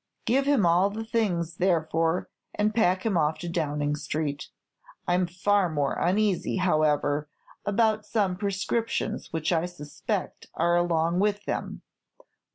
Give him all the things, therefore, and pack him off to Downing Street. I'm far more uneasy, however, about some prescriptions which I suspect are along with them.